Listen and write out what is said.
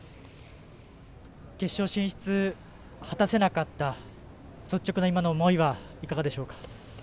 決勝進出、果たせなかった率直な今の思いはいかがでしょうか。